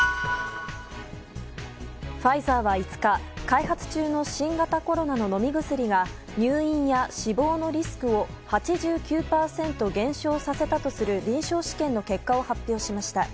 ファイザーは５日開発中の新型コロナの飲み薬が入院や死亡のリスクを８９％減少させたとする臨床試験の結果を発表しました。